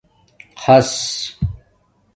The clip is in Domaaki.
خَص